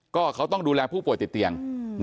ก็เขาต้องดูแลผู้ป่วยติดเตียง